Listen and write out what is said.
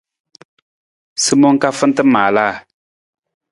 Simang ka fanta maalaa.